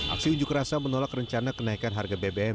aksi unjuk rasa menolak rencana kenaikan harga bbm